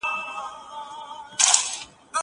مېوې د زهشوم له خوا خورل کيږي!!